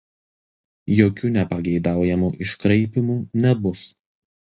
Jokių nepageidaujamų iškraipymų nebus.